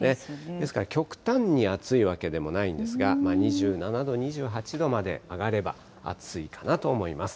ですから、極端に暑いわけでもないんですが、２７度、２８度まで上がれば、暑いかなと思います。